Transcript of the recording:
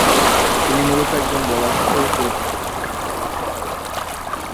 তিনি মুলত একজন বোলার হিসেবে পরিচিত।